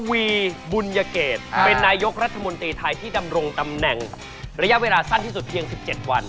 วีบุญยเกตเป็นนายกรัฐมนตรีไทยที่ดำรงตำแหน่งระยะเวลาสั้นที่สุดเพียง๑๗วัน